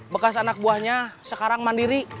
bekas anak buahnya sekarang mandiri